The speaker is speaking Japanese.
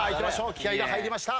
気合が入りました。